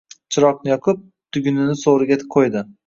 Chiroqni yoqib, tugunini soʼriga qoʼydi.